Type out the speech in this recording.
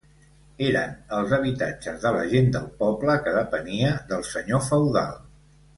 Eren els habitatges de la gent del poble que depenia del senyor feudal.